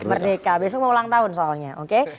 merdeka besok mau ulang tahun soalnya oke